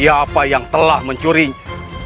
siapa yang telah mencurinya